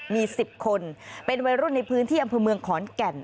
มี๑๐คนเป็นวัยรุ่นในพื้นที่อำเภอเมืองขอนแก่น